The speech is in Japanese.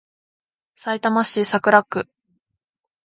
さいたま市桜区